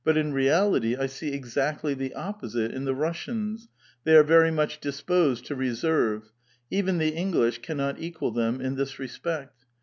in reality, I see ex actly the opposite in the Russians ; they are very much dis posed to reserve. Even the English cannot equal them in this respect.